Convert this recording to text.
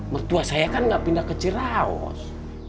mertua saya kan gak pindah ke ciraos